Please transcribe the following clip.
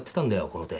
この手。